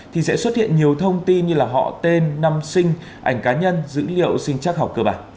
thì sẽ xuất hiện nhiều thông tin như là họ tên năm sinh ảnh cá nhân dữ liệu sinh chắc học cơ bản